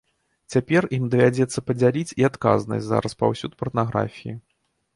Цяпер ім давядзецца падзяліць і адказнасць за распаўсюд парнаграфіі.